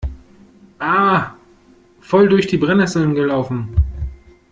Ah, voll durch die Brennnesseln gelaufen!